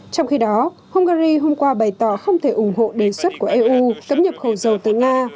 trong khi đó hungary hôm qua bày tỏ không thể ủng hộ đề xuất của eu cấm nhập khẩu dầu từ nga